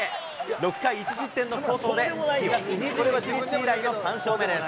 ６回１失点の好投で、４月２１日以来の３勝目です。